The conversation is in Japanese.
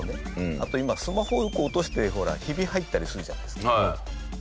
あと今スマホを落としてほらヒビ入ったりするじゃないですか。